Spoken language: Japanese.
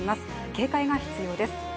警戒が必要です。